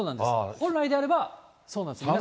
本来であればそうなんです。